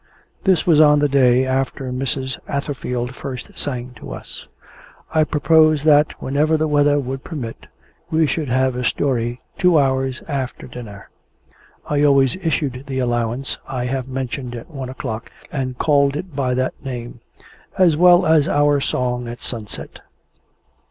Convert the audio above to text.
This was on the day after Mrs. Atherfield first sang to us. I proposed that, whenever the weather would permit, we should have a story two hours after dinner (I always issued the allowance I have mentioned at one o'clock, and called it by that name), as well as our song at sunset.